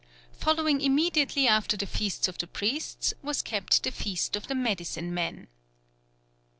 Following immediately after the feasts of the priests was kept the feast of the medicine men.